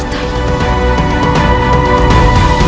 strength ibu nara destruksi begitu saja